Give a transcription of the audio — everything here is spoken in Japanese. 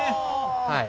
はい。